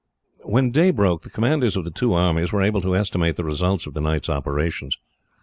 When day broke, the commanders of the two armies were able to estimate the results of the night's operations.